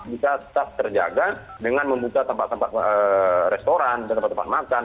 bisa tetap terjaga dengan membuka tempat tempat restoran dan tempat tempat makan